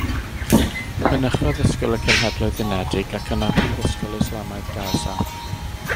Mynychodd ysgol y Cenhedloedd Unedig ac yna Prifysgol Islamaidd Gasa.